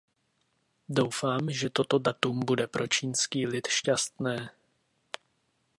Doufám, že toto datum bude pro čínský lid šťastné.